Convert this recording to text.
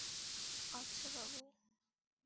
আচ্ছা, বাবু।